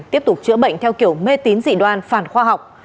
tiếp tục chữa bệnh theo kiểu mê tín dị đoan phản khoa học